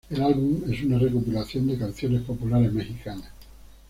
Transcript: El álbum es una recopilación de canciones populares mexicanas.